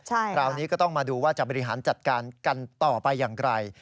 คราวนี้ก็ต้องมาดูว่าจะบริหารจัดการกันต่อไปอย่างไร